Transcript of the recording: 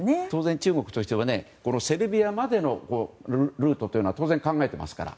中国としてはセルビアまでのルートは当然考えてますから。